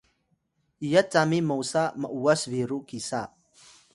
iyat cami mosa m’was-biru kisa